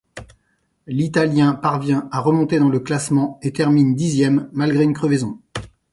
L'Italien parvient à remonter dans le classement et termine dixième, malgré une crevaison.